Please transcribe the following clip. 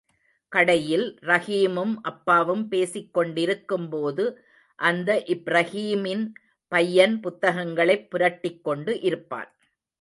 கடையில் ரஹீமும் அப்பாவும் பேசிக் கொண்டிருக்கும் போது அந்த இப்ரஹீமின் பையன் புத்தகங்களைப் புரட்டிக் கொண்டு இருப்பான்.